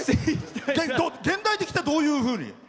現代的とはどういうふうに？